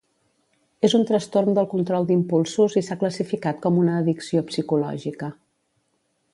És un trastorn del control d'impulsos i s'ha classificat com una addicció psicològica.